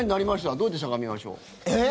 どうやってしゃがみましょう？え？